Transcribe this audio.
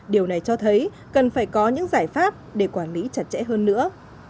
điều này cho thấy cần phải có những giải pháp để quản lý chặt chẽ hơn nữa